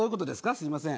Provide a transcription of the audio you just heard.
すみません。